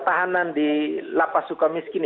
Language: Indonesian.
tahanan di lapas sukamiskin